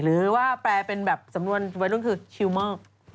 หรือว่าแปลเป็นแบบสำนวนวัยรุ่นคือชิลเมอร์